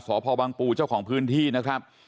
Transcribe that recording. สพบังปูเจ้าของพื้นที่นะครับ